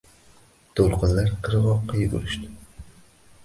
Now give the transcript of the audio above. To`lqinlar qirg`oqqa yugurishdi